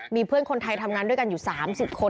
มีเพื่อนคนไทยทำงานด้วยกันอยู่๓๐คน